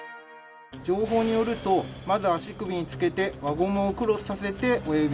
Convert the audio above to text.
情報によるとまず足首につけて輪ゴムをクロスさせて親指につけます。